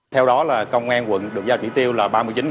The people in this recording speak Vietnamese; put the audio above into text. theo đó là công an quận được giao chỉ tiêu là ba mươi chín